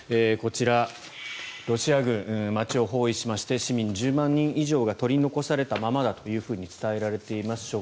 こちら、ロシア軍街を包囲しまして市民１０万人以上が取り残されたままだと伝えられています。